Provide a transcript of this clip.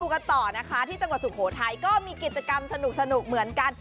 กันต่อนะคะที่จังหวัดสุโขทัยก็มีกิจกรรมสนุกเหมือนกัน